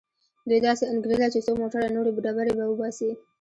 دوی داسې انګېرله چې څو موټره نورې ډبرې به وباسي.